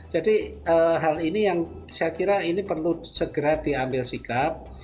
jadi hal ini yang saya kira ini perlu segera diambil sikap